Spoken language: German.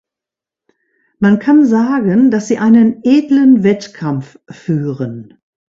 Man kann sagen, dass sie einen edlen Wettkampf führen.